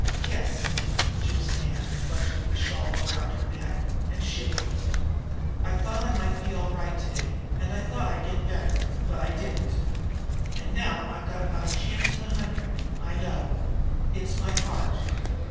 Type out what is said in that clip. "Yes." Gypsy Nan clutched at the shawl around her neck, and shivered. "I thought I might be all right to day, and that I'd get better. But I didn't. And now I've got about a chance in a hundred. I know. It's my heart."